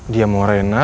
dia mau rena